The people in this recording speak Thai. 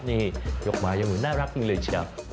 นี่ยกมายมือน่ารักจริงเลยเชียว